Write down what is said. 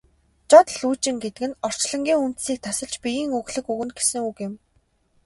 Жод лүйжин гэдэг нь орчлонгийн үндсийг тасалж биеийн өглөг өгнө гэсэн үг юм.